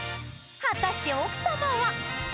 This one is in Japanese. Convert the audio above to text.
果たして奥様は。